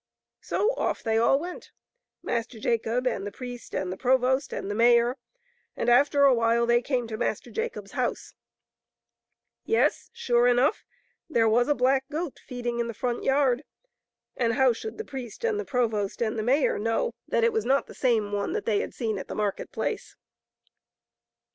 So off they all went, Master Jacob and the priest and the provost and the mayor, and after a while they came to Master Jacob's house. Yes, sure enough, there was a black goat feeding in the front yard, and how should the priest and the provost and the mayor know that it was not the same i68 MASTER JACOB. one that they had seen at the market place!